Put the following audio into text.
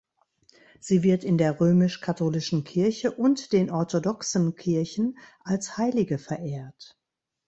Sie wird in der römisch-katholischen Kirche und den orthodoxen Kirchen als Heilige verehrt.